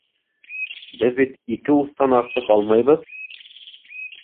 Беҙ бит ике устан артыҡ алмайбыҙ.